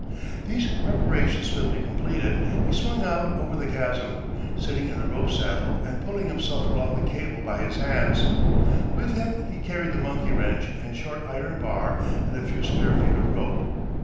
These preparations swiftly completed, he swung out over the chasm, sitting in the rope saddle and pulling himself along the cable by his hands. With him he carried the monkey wrench and short iron bar and a few spare feet of rope.